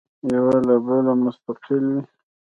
یو له بله مستقل وي.